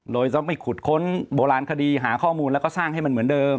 โดยต้องไปขุดค้นโบราณคดีหาข้อมูลแล้วก็สร้างให้มันเหมือนเดิม